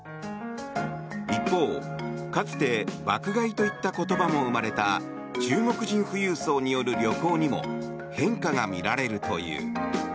一方、かつて爆買いといった言葉も生まれた中国人富裕層による旅行にも変化が見られるという。